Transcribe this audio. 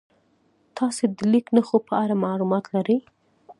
تاسې د لیک نښو په اړه معلومات لرئ؟